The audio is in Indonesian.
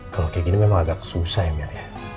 kalo kaya gini memang agak susah ya mbak